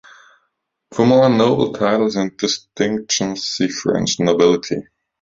For more on noble titles and distinctions, see French nobility.